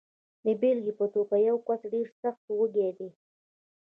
د بېلګې په توګه، یو کس ډېر سخت وږی دی.